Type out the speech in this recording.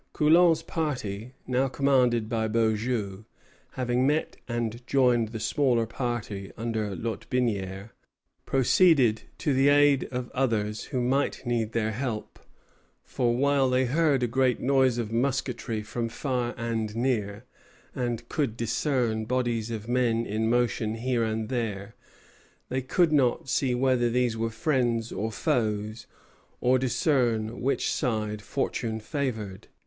Coulon's party, now commanded by Beaujeu, having met and joined the smaller party under Lotbinière, proceeded to the aid of others who might need their help; for while they heard a great noise of musketry from far and near, and could discern bodies of men in motion here and there, they could not see whether these were friends or foes, or discern which side fortune favored.